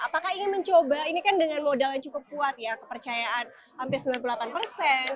apakah ingin mencoba ini kan dengan modal yang cukup kuat ya kepercayaan hampir sembilan puluh delapan persen